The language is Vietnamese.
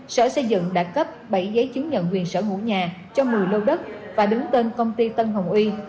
sở xây dựng đã cấp bảy giấy chứng nhận quyền sở hữu nhà cho một mươi lô đất và đứng tên công ty tân hồng uy